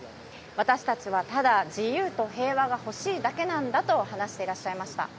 私たちは、ただ自由と平和が欲しいだけなんだと話していらっしゃいました。